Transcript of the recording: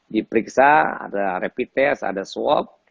diperiksa ada rapid test ada swab